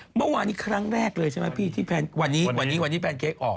เมื่อวานี้ครั้งแรกเลยใช่ไหมพี่วันนี้วันนี้วันนี้วันนี้แปลนเค้กออก